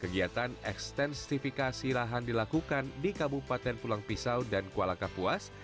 kegiatan ekstensifikasi lahan dilakukan di kabupaten pulang pisau dan kuala kapuas